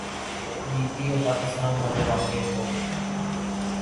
D P O Pakpattan والے واقعے کو۔